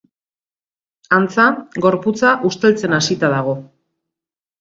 Antza, gorputza usteltzen hasita dago.